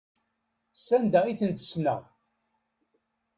S anda i ten-ssneɣ.